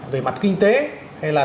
về mặt kinh tế hay là